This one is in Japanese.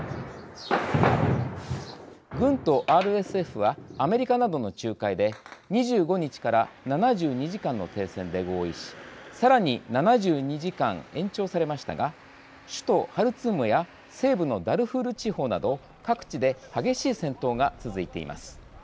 軍とＲＳＦはアメリカなどの仲介で２５日から７２時間の停戦で合意しさらに７２時間延長されましたが首都ハルツームや西部のダルフール地方など各地で激しい戦闘が続いています。